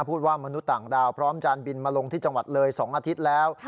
พูดว่ามนุษย์ต่างดาวพร้อมจานบินมาลงที่จังหวัดเลย๒อาทิตย์แล้ว